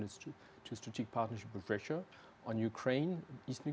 sebuah kekuatan yang menjaga kebersamaan di eropa